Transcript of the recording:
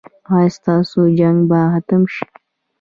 ایا ستاسو جنګ به ختم شي؟